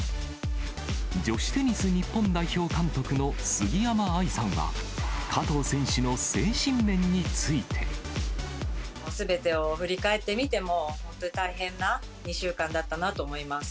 女子テニス日本代表監督の杉山愛さんは、すべてを振り返ってみても、本当に大変な１週間だったなと思います。